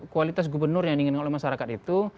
kualitas gubernur yang diinginkan oleh masyarakat itu